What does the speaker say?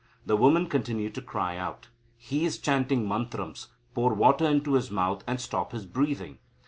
The woman continued to cry out, "He is chanting mantrams; pour water into his mouth, and stop his breathing."